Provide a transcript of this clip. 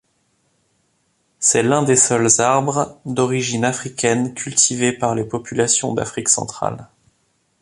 C'est l'un des seuls arbres d'origine africaine cultivé par les populations d’Afrique centrale.